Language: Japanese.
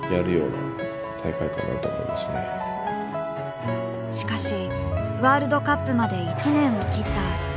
しかしワールドカップまで１年を切った去年９月。